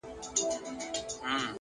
هره هڅه د ځان د درک برخه ده!.